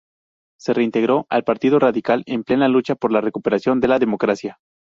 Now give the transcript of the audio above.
Se reintegró al Partido Radical en plena lucha por la recuperación de la democracia.